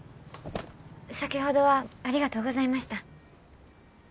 先ほどはありがとうございました。え？